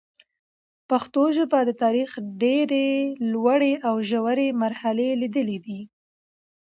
پښتو ژبه د تاریخ ډېري لوړي او ژوري مرحلې لیدلي دي.